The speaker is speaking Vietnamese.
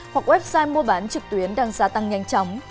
hoặc website mua bán trực tuyến đang gia tăng nhanh chóng